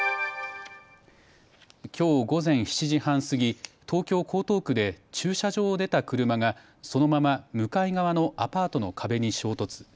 きょう午前７時半過ぎ東京・江東区で駐車場を出た車がそのまま向かい側のアパートの壁に衝突。